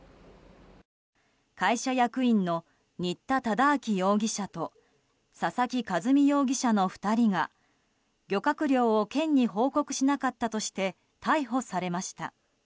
会社役員の新田忠明容疑者と佐々木一美容疑者の２人が漁獲量を県に報告しなかったとして逮捕されました。